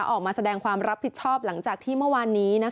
ออกมาแสดงความรับผิดชอบหลังจากที่เมื่อวานนี้